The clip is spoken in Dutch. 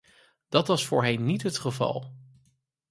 Dat was voorheen niet het geval.